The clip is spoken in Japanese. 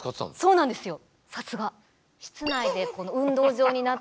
そうなんですよ。